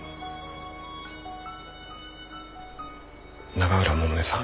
永浦百音さん。